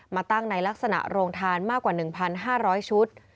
มาตั้งในลักษณะโรงทานมากกว่า๑๕๐๐ชุด